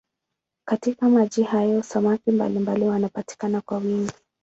Katika maji hayo samaki mbalimbali wanapatikana kwa wingi.